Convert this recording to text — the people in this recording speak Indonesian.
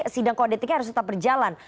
sidang kode etiknya harus tetap berjalan